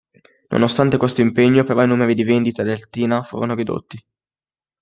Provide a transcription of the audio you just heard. Nonostante questo impegno però i numeri di vendita del Tina furono ridotti.